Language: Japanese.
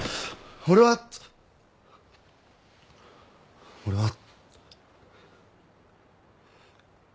俺は俺は。